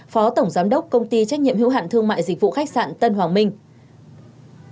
phó tổng giám đốc công ty trách nhiệm hữu hạn thương mại dịch vụ khách sạn tân hoàng minh